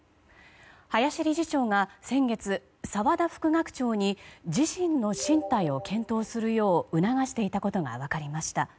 林理事長が先月、澤田副学長に自身の進退を検討するよう促していたことが分かりました。